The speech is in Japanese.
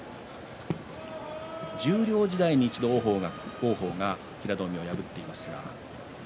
十両時代に一度、王鵬が平戸海を破っています。